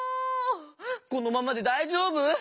このままでだいじょうぶ？